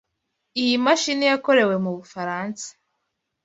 Iyi mashini yakorewe mu Bufaransa.